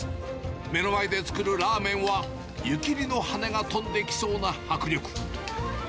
目の前で作るラーメンは、湯切りのはねが飛んできそうな迫力。